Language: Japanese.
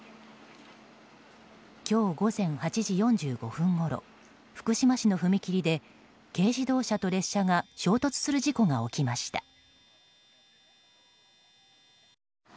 今日午前８時４５分ごろ福島市の踏切で軽自動車と列車が衝突する事故が起きました。